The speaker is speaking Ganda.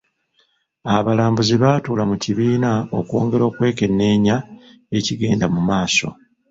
Abalambuzi baatuula mu kibiina okwongera okwekenneenya ekigenda mu maaso.